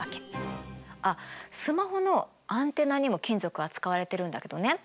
あっスマホのアンテナにも金属は使われてるんだけどね